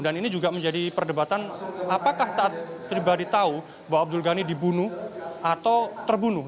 dan ini juga menjadi perdebatan apakah taat pribadi tahu bahwa abdul ghani dibunuh atau terbunuh